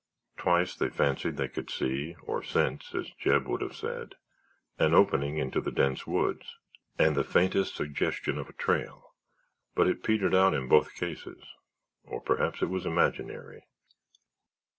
Twice they fancied they could see, or sense, as Jeb would have said, an opening into the dense woods and the faintest suggestion of a trail but it petered out in both cases—or perhaps it was imaginary.